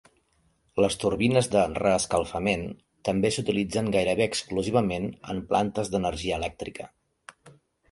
Les turbines de reescalfament també s'utilitzen gairebé exclusivament en plantes d'energia elèctrica.